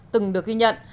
từng được ghi nhận